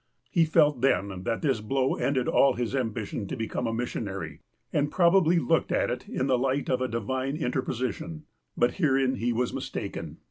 He felt then that this blow ended all his ambition to become a missionary, and probably looked at it in the light of a divine interj)osition. But herein he was mistaken.